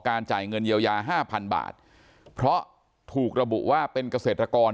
จ่ายเงินเยียวยาห้าพันบาทเพราะถูกระบุว่าเป็นเกษตรกร